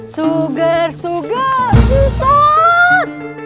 sugar sugar sugar